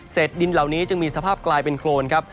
ดินเหล่านี้จึงมีสภาพกลายเป็นโครนครับ